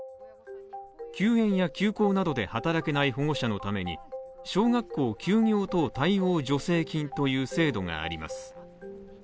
休園や、休校などで働けない保護者のために小学校休業等対応助成金という制度があります